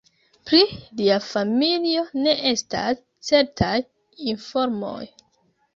Pri lia familio ne estas certaj informoj.